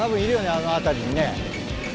あの辺りにね。